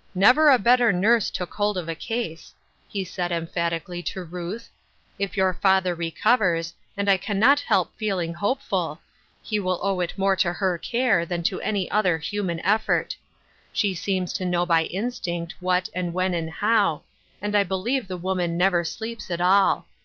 " Never a better nurse took hold of a case, he said, emphatically, to Ruth. " If your father recovers, and I can not help feeling hopeful, he will owe it more to her care than to any other «« Through a Glu.s, Darkly^ 215 human effort. She seems to know by instinct what and when and how, and I believe the woman never sleeps at all.